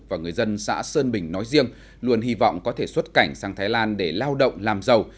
và người dân xã sơn bình nói riêng luôn hy vọng có thể xuất cảnh sang thái lan để lao động làm giàu